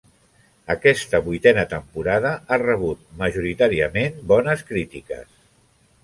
Aquesta vuitena temporada ha rebut majoritàriament bones crítiques.